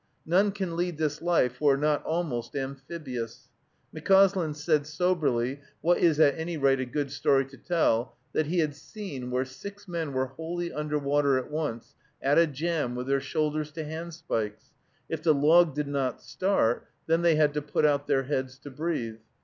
None can lead this life who are not almost amphibious. McCauslin said soberly, what is at any rate a good story to tell, that he had seen where six men were wholly under water at once, at a jam, with their shoulders to handspikes. If the log did not start, then they had to put out their heads to breathe.